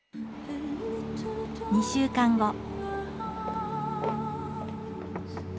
２週間後。